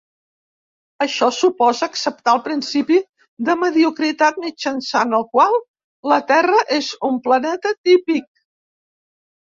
Això suposa acceptar el principi de mediocritat, mitjançant el qual la Terra és un planeta típic.